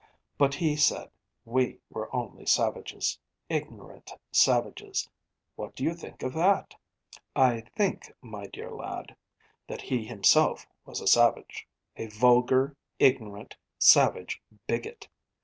But he said we were only savages ignorant savages. What do you think of that?' 'I think, my dear lad, that he himself was a savage a vulgar, ignorant, savage bigot.